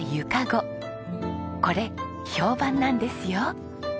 これ評判なんですよ！